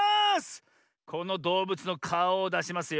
このどうぶつのかおをだしますよ。